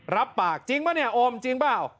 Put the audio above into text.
รับปากจริงป่ะเนี่ยโอมจริงเปล่า